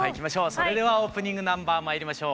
それではオープニングナンバーまいりましょう。